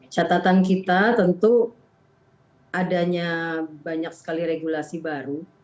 catatan kita tentu adanya banyak sekali regulasi baru